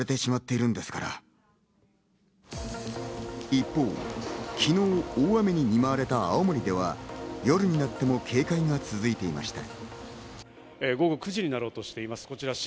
一方、昨日大雨に見舞われた青森では、夜になっても警戒が続いていました。